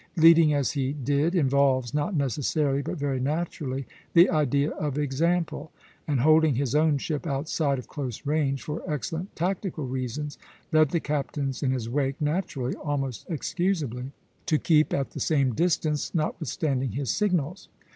Leading as he did involves, not necessarily but very naturally, the idea of example; and holding his own ship outside of close range, for excellent tactical reasons, led the captains in his wake naturally, almost excusably, to keep at the same distance, notwithstanding his signals.